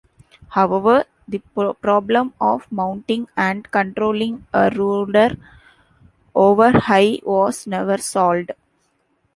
However, the problem of mounting and controlling a rudder over high was never solved.